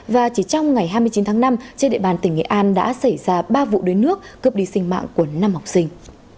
và chỉ trong ngày hai mươi chín tháng năm trên địa bàn tỉnh nghệ an đã xảy ra ba vụ đuối nước cướp đi sinh mạng của năm học sinh